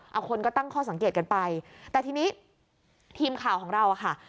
เอาคนก็ตั้งข้อสังเกตกันไปแต่ทีนี้ทีมข่าวของเราอ่ะค่ะ